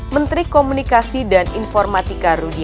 menteri komunikasi dan informatika rudi